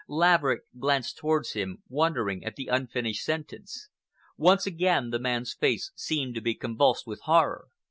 Laverick glanced towards him, wondering at the unfinished sentence. Once again the man's face seemed to be convulsed with horror.